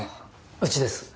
うちです。